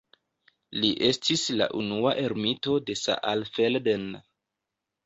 Li estis la unua ermito de Saalfelden.